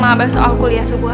apa sih sih